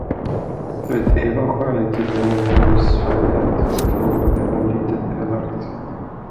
Vet Eva skälet till denna hemlighetsfullhet? frågade hon litet elakt.